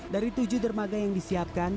dari tujuh dermaga yang disiapkan